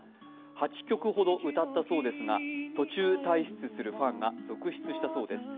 ８曲ほど歌ったそうですが途中退出するファンが続出したそうです。